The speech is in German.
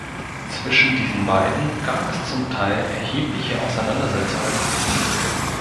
Zwischen diesen beiden gab es zum Teil erhebliche Auseinandersetzungen.